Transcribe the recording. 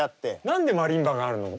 何でマリンバがあるの？